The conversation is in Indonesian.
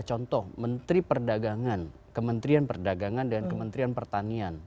contoh menteri perdagangan kementrian perdagangan dan kementrian pertanian